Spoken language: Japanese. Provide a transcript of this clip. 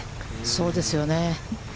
そうですよね。